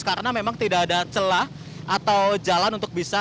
karena memang tidak ada celah atau jalan untuk bisa